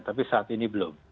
tapi saat ini belum